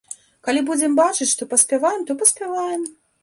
Калі будзем бачыць, што паспяваем, то паспяваем.